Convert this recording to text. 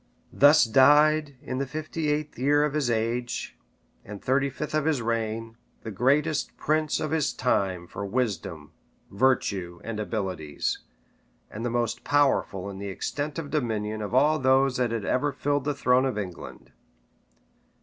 Thus died, in the fifty eighth year of his age, and thirty fifth of his reign, the greatest prince of his time for wisdom, virtue, and abilities, and the most powerful in the extent of dominion of all those that had ever filled the throne of England.